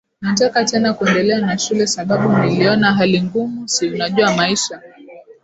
nataka tena kuendelea na shule sababu niliona hali ngumu si unajua maisha